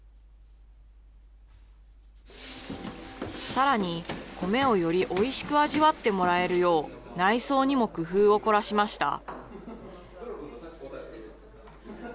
さらに、米をよりおいしく味わってもらえるよう、内装にも工夫を凝らしました。